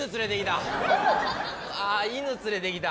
ああ犬連れてきた。